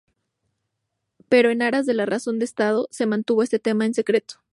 Pero en aras de la razón de Estado, se mantuvo este tema en secreto.